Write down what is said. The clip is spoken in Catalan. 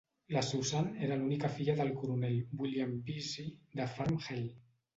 La Susan era l'única filla del coronel William Vesey de Farm Hill.